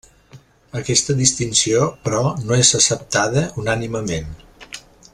Aquesta distinció, però, no és acceptada unànimement.